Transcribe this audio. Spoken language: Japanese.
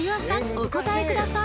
お答えください